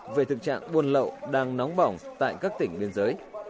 về thực trạng buôn lậu đang nóng bỏng tại các tỉnh biên giới